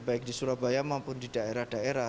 baik di surabaya maupun di daerah daerah